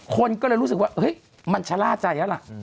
คนก็เลยรู้สึกว่าเฮ้ยมันชะล่าใจแล้วล่ะ